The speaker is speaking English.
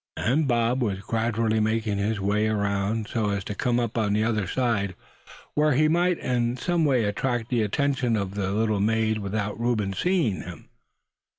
And Bob was gradually making his way around so as to come on the other side, where he might in some way attract the attention of the little maid without Reuben seeing him.